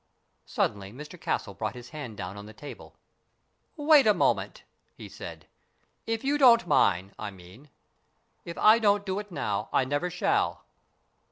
Suddenly Mr Castle brought his hand down on the table. " Wait a minute," he said. " If you don't mind, I mean. If I don't do it now, I never shall."